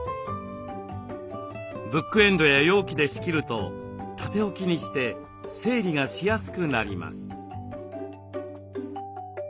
ブックエンドや容器で仕切ると縦置きにして整理がしやすくなります。